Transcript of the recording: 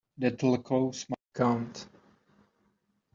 That'll close my account.